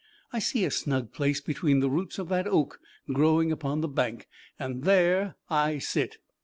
I see a snug place between the roots of that oak growing upon the bank, and there I sit."